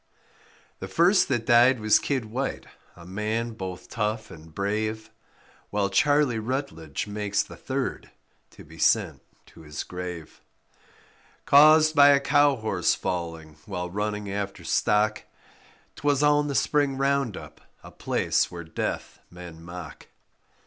The first that died was Kid White, a man both tough and brave, While Charlie Rutlage makes the third to be sent to his grave, Caused by a cow horse falling while running after stock; 'Twas on the spring round up, a place where death men mock.